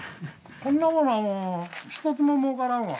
こんなものは一つももうからんわ。